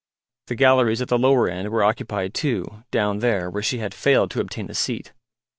The galleries at the lower end were occupied too, down there, where she had failed to obtain a seat.